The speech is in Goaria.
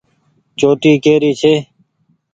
چوٽي ڪي ري ڇي۔